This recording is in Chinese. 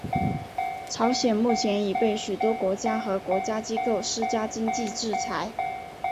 朝鲜目前已被许多国家和国际机构施加经济制裁。